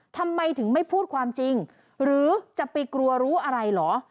ทำไมถึงไม่พูดความจริงหรือจะไปกลัวรู้อะไรเหรอ